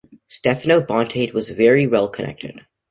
Stefano Bontade was very well connected.